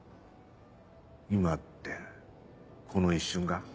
今ってこの一瞬が？